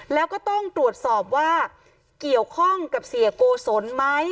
แล้วก็ต้องตรวจสอบว่าเกี่ยวข้องกับเสียโกศลไหม